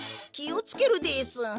きをつけるです。